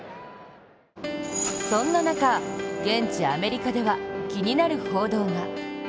そんな中、現地アメリカでは気になる報道が。